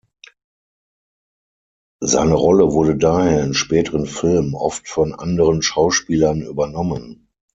Seine Rolle wurde daher in späteren Filmen oft von anderen Schauspielern übernommen.